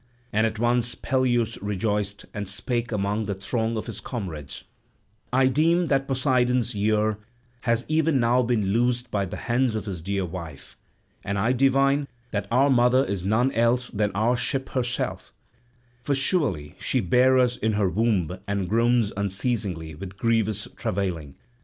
And at once Peleus rejoiced and spake among the throng of his comrades: "I deem that Poseidon's ear has even now been loosed by the hands of his dear wife, and I divine that our mother is none else than our ship herself; for surely she bare us in her womb and groans unceasingly with grievous travailing.